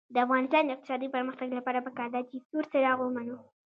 د افغانستان د اقتصادي پرمختګ لپاره پکار ده چې سور څراغ ومنو.